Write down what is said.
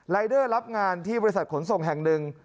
เดอร์รับงานที่บริษัทขนส่งแห่งหนึ่ง